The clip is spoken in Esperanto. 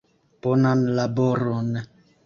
Bonan laboron!